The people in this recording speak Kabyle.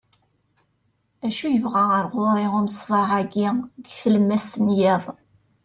acu yebɣa ɣur-i umseḍḍeɛ-agi deg tlemmast n yiḍ